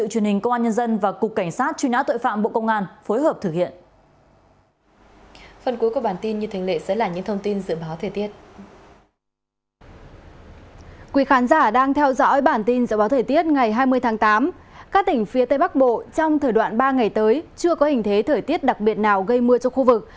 các tỉnh phía tây bắc bộ trong thời đoạn ba ngày tới chưa có hình thế thời tiết đặc biệt nào gây mưa trong khu vực